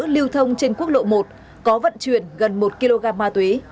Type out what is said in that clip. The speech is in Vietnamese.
lưu thông trên quốc lộ một có vận chuyển gần một kg ma túy